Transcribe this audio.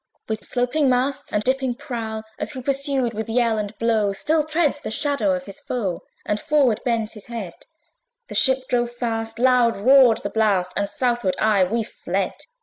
With sloping masts and dipping prow, As who pursued with yell and blow Still treads the shadow of his foe And forward bends his head, The ship drove fast, loud roared the blast, And southward aye we fled.